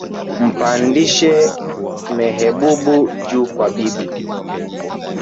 Mpandishe Mehebubu juu kwa bibi